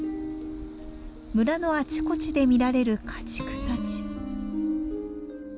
村のあちこちで見られる家畜たち。